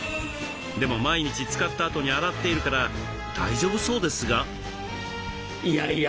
でも毎日使ったあとに洗っているから大丈夫そうですが。